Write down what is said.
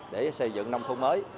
để xây dựng nông thôn mới